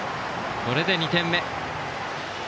これで２点目。